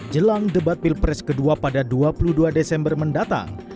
jelang debat pilpres kedua pada dua puluh dua desember mendatang